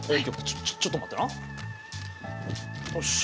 ちょちょっと待ってな。